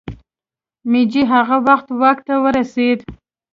مېجي هغه وخت واک ته ورسېد.